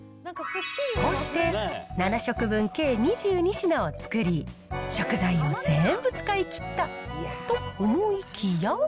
こうして、７食分計２２品を作り、食材をぜーんぶ使い切ったと思いきや。